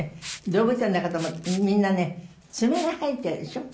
動物園の中でもみんなね爪が生えているでしょ。